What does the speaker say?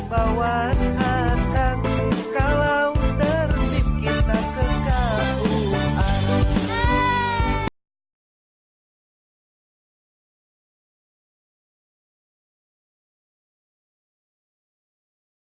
bawa adek kalau terdip kita ke kampung